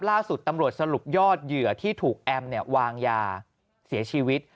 ล่าสุดตำรวจสรุปยอดเหยื่อที่ถูกแอมวางยาเสียชีวิต